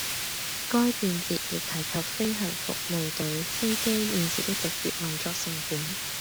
該便箋亦提及飛行服務隊飛機現時的直接運作成本